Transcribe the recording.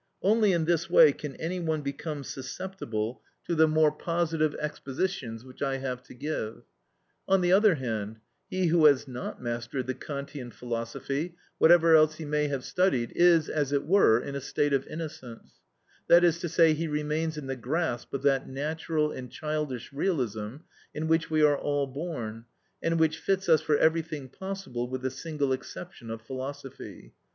Only in this way can any one become susceptible to the more positive expositions which I have to give. On the other hand, he who has not mastered the Kantian philosophy, whatever else he may have studied, is, as it were, in a state of innocence; that is to say, he remains in the grasp of that natural and childish realism in which we are all born, and which fits us for everything possible, with the single exception of philosophy.